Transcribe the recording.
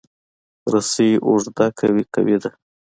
رسۍ اوږده که وي، قوي ده.